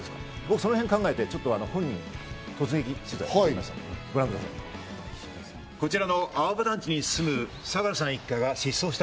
その辺を考えて本人に突撃取材してきました。